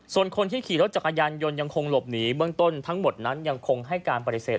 ส่วนคนที่ขี่รถจักรยานยนต์ยังคงหลบหนีเบื้องต้นทั้งหมดนั้นยังคงให้การปฏิเสธ